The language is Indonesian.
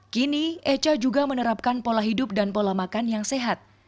kini eca juga menerapkan pola hidup dan pola makan yang sehat